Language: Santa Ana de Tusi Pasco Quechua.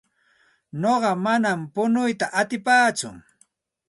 Nuqa manam punuyta atipaatsu.